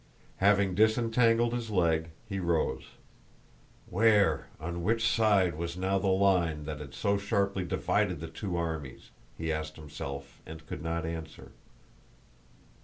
Having disentangled his leg, he rose. "Where, on which side, was now the line that had so sharply divided the two armies?" he asked himself and could not answer.